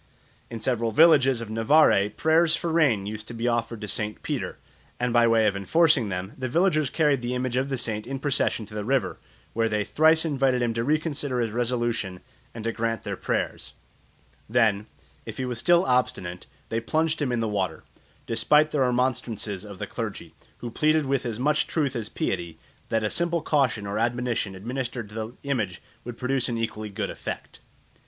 In several villages of Navarre prayers for rain used to be offered to St. Peter, and by way of enforcing them the villagers carried the image of the saint in procession to the river, where they thrice invited him to reconsider his resolution and to grant their prayers; then, if he was still obstinate, they plunged him in the water, despite the remonstrances of the clergy, who pleaded with as much truth as piety that a simple caution or admonition administered to the image would produce an equally good effect.